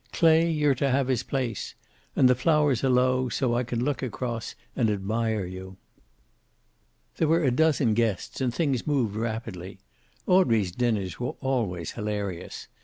"Clay, you're to have his place. And the flowers are low, so I can look across and admire you." There were a dozen guests, and things moved rapidly. Audrey's dinners were always hilarious.